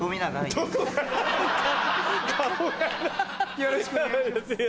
よろしくお願いします。